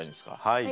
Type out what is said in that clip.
はい。